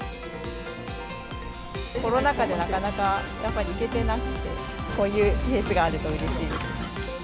コロナ禍でなかなか行けてなくて、こういうフェスがあるとうれしいですね。